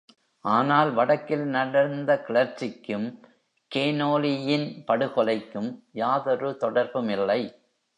ஆனால் வடக்கில் நடந்த கிளர்ச்சிக்கும் கேனோலியின் படுகொலைக்கும் யாதொரு தொடர்புமில்லை.